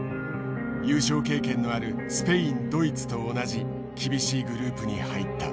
優勝経験のあるスペインドイツと同じ厳しいグループに入った。